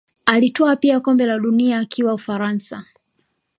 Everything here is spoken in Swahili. Alitwaa pia kombe la dunia akiwa Ufaransa